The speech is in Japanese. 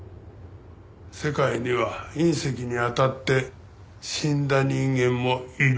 世界には隕石に当たって死んだ人間もいる。